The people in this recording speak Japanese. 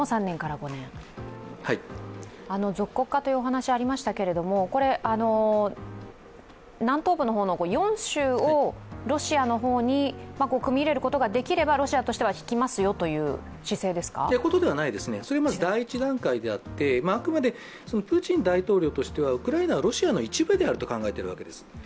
属国化というお話がありましたけれども、南東部の方の４州をロシアの方に組み入れることができればロシアとしては引きますよという姿勢ですか？ということではないです、それはまず第１段階であって、あくまでプーチン大統領としては、ウクライナはロシアの一部であると考えているわけです。